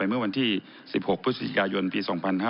เมื่อวันที่๑๖พธิศิษฐิกายนปี๒๕๖๓